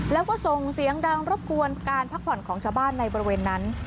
แล้วก็ส่งเสียงดังรบกวนการพักผ่อนของชาวบ้านในบริเวณนั้น